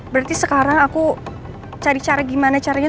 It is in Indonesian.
berarti sekarang aku cari cara gimana caranya